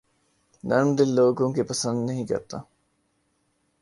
نرم دل لوگوں کے پسند نہیں کرتا